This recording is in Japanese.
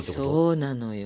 そうなのよ。